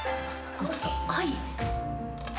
はい。